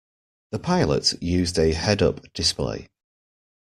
The pilot used a head-up display.